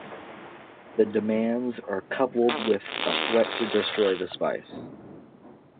The demands are coupled with a threat to destroy the spice.